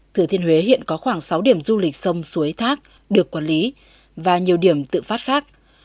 thừa thiên huế hiện có khoảng sáu điểm du lịch sông suối thác được quản lý và nhiều điểm tự phát khác